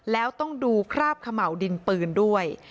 แล้วต้องดูคราบเขม่าวดินปืนด้วย